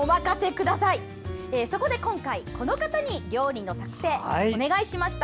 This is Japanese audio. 今回この方に料理の作成をお願いしました。